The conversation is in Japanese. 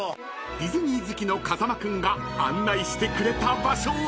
［ディズニー好きの風間君が案内してくれた場所は］